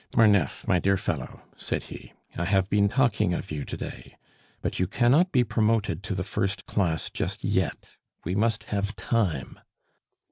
"Marneffe, my dear fellow," said he, "I have been talking of you to day. But you cannot be promoted to the first class just yet. We must have time."